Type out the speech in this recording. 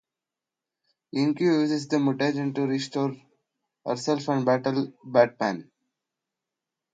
Inque uses the mutagen to restore herself and battle Batman.